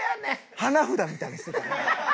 花札みたいにしてたな。